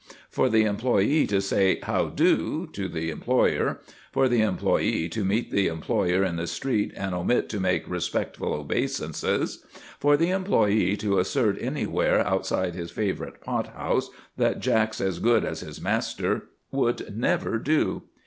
For the employee to say "How do!" to the employer; for the employee to meet the employer in the street and omit to make respectful obeisances; for the employee to assert anywhere outside his favourite pot house that Jack's as good as his master, would never do.